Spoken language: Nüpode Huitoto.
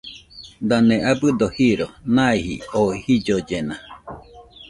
Dane abɨdo jiro naijɨ oo jillollena.